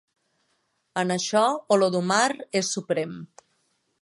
En això, Olodumare és suprem.